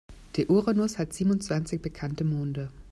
Der Uranus hat siebenundzwanzig bekannte Monde.